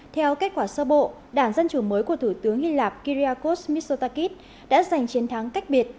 theo kết quả sơ bộ đảng dân chủ mới của thủ tướng hy lạp kirikos mitsotakis đã giành chiến thắng cách biệt